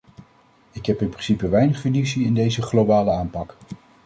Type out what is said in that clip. Ik heb in principe weinig fiducie in deze globale aanpak.